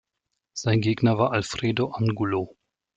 Sein Gegner war Alfredo Angulo.